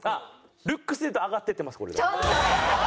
ルックスでいうと上がっていってます。